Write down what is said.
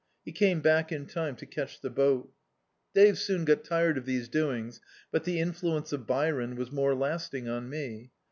He came back in time to catch the boat Dave soon got tired of these doings, but the influence of Byron was more lasting on me.